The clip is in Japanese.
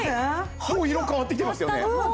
もう色変わってきてますよね。